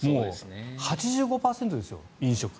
８５％ですよ、飲食。